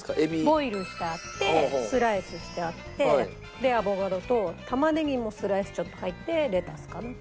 ボイルしてあってスライスしてあってでアボカドと玉ねぎもスライスちょっと入ってレタスかな。